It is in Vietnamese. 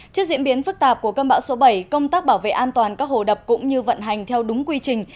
trước diễn biến phức tạp của cơn bão số bảy công tác bảo vệ an toàn các hồ đập cũng như vận hành theo đúng quy trình